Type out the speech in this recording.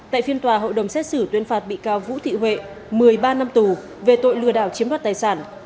tại phiên tòa hội đồng xét xử tuyên phạt bị cáo vũ thị huệ một mươi ba năm tù về tội lừa đảo chiếm đoạt tài sản